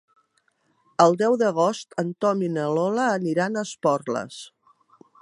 El deu d'agost en Tom i na Lola aniran a Esporles.